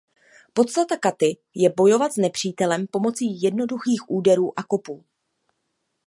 Podstata katy je bojovat s nepřítelem pomocí jednoduchých úderů a kopů.